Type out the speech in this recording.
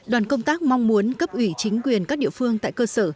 đoàn công tác mong muốn cấp ủy chính quyền các địa phương tại cơ sở